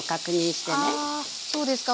あそうですか。